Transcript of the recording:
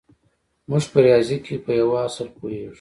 موږ په ریاضي کې په یوه اصل پوهېږو